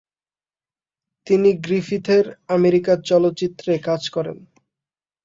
তিনি গ্রিফিথের আমেরিকা চলচ্চিত্রে কাজ করেন।